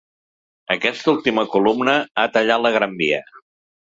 Aquesta última columna ha tallat la Gran Via.